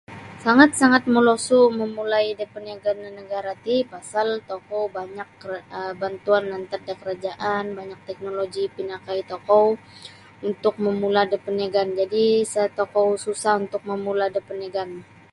Sangat-sangat molosu momulai da peniagaan no negara ti pasal tokou banyak kera um bantuan antad da karajaan banyak da teknoloji pinakai tokou untuk momula da peniagaan jadi isa tokou susah untuk momula da peniagaan